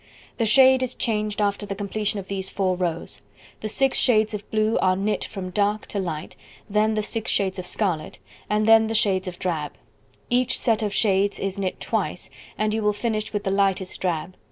The shade is changed after the completion of these 4 rows. The 6 shades of blue are knit from dark to light; then the 6 shades of scarlet; and then the shades of drab: each set of shades is knit twice, and you will finish with the lightest drab.